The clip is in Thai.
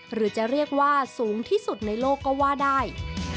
หรือจะเรียกว่าสูงที่สุดในโลกก็ว่าได้